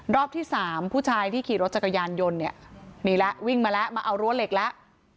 รอบที่สามผู้ชายที่ขี่รถจักรยานยนต์เนี่ยมีแล้ววิ่งมาแล้วมาเอารั้วเหล็กแล้ว